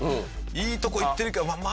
いいとこいってるけどあっ